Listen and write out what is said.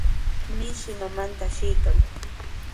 Mishi mamanta ashiykan.